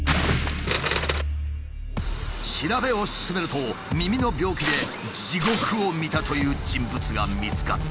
調べを進めると耳の病気で地獄を見たという人物が見つかった。